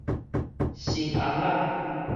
新尪仔